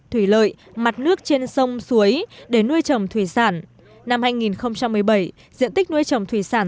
thủy lợi mặt nước trên sông suối để nuôi trồng thủy sản năm hai nghìn một mươi bảy diện tích nuôi trồng thủy sản